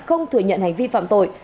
không thừa nhận hành vi phạm tội